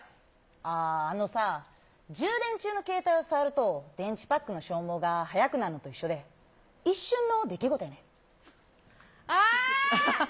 あー、あのさ、充電中の携帯を触ると、電池パックの消耗が早くなるのと一緒で、あー！